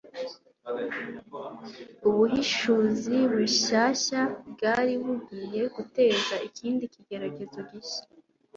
Ubuhishuzi bushyashya bwari bugiye guteza ikindi kigeragezo gishya.